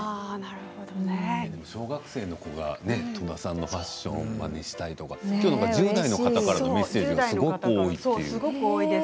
小学生の子が戸田さんのファッションをまねしたいとか今日は１０代の方からのメッセージがすごく多いという。